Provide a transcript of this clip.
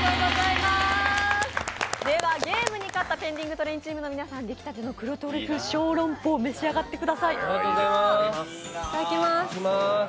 ではゲームに勝った「ペンディングトレイン」チームの皆さん、出来たての黒トリュフ小籠包召し上がってください。